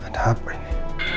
ada apa ini